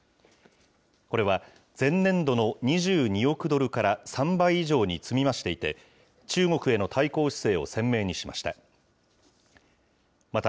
これは前年度の２２億ドルから３倍以上に積み増していて、中国への対抗姿勢を鮮明にしました。